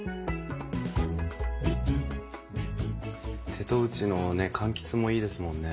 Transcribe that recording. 瀬戸内のねかんきつもいいですもんね。